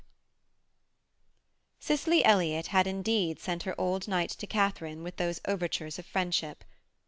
V Cicely Elliott had indeed sent her old knight to Katharine with those overtures of friendship.